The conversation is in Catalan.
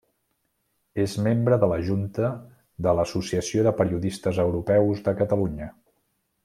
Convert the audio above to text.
És membre de la junta de l'Associació de Periodistes Europeus de Catalunya.